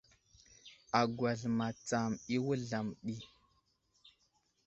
Agwal matsam i wuzlam ɗi.